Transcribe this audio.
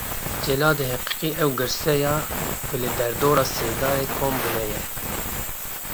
Celadê heqîqî ew girseya ku li derdora sêdarê kom bûne ye.